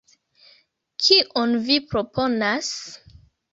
Kion vi proponas?